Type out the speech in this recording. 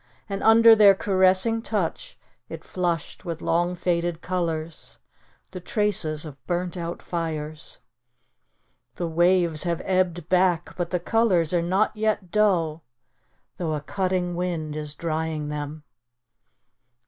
. and under their caressing touch it flushed with long faded colours, the traces of burnt out fires ! The waves have ebbed back ... but the colours are not yet dull, though a cutting wind is drying them.